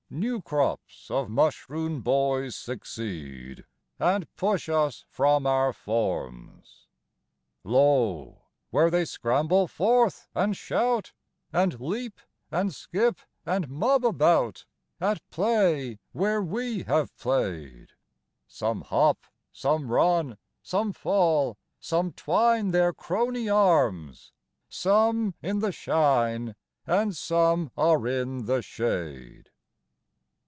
New crops of mushroon boys succeed, "And push us from our forms!" X. Lo! where they scramble forth, and shout, And leap, and skip, and mob about, At play where we have play'd! Some hop, some run, (some fall,) some twine Their crony arms; some in the shine, And some are in the shade!